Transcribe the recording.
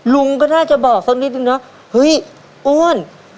ลุงก็น่าจะบอกสักนิดนึงเนอะ